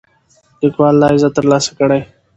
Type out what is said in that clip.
لیکوال دا عزت ترلاسه کړی.